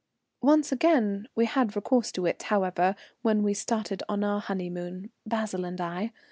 Once again we had recourse to it, however, when we started on our honeymoon, Basil and I.